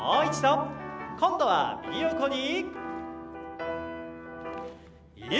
今度は右横に。